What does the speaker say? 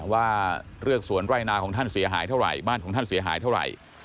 ว่าเรือกสวนไร่นาของท่านเสียหายเท่าไหร่บ้านของท่านเสียหายเท่าไหร่